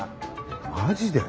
マジで？